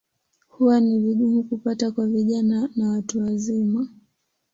Huwa ni vigumu kupata kwa vijana na watu wazima.